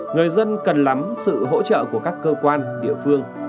người dân cần lắm sự hỗ trợ của các cơ quan địa phương